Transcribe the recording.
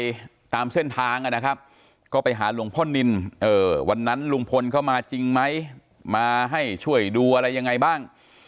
ไปตามเส้นทางนะครับก็ไปหาหลวงพ่อนินวันนั้นลุงพลเข้ามาจริงไหมมาให้ช่วยดูอะไรยังไงบ้าง